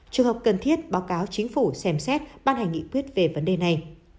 trường hợp cần thiết báo cáo chính phủ xem xét ban hành nghị quyết về vấn đề này